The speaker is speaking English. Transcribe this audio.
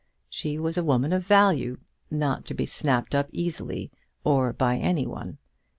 She was a woman of value, not to be snapped up easily, or by any one.